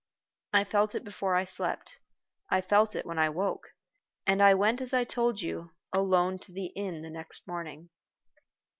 I felt it before I slept; I felt it when I woke; and I went as I told you, alone to the inn the next morning.